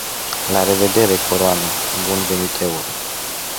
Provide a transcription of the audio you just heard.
La revedere, coroană, bun venit, euro.